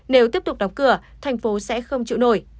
nếu tiếp tục đóng cửa thành phố sẽ không chịu nổi